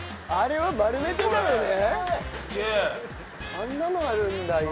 あんなのあるんだ今。